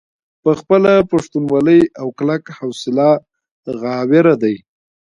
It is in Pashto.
پۀ خپله پښتونولۍ او کلکه حوصله غاوره دے ۔